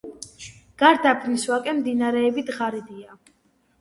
გარდაბნის ვაკე მდინარეებით ღარიბია.